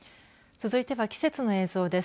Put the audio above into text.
続いては季節の映像です。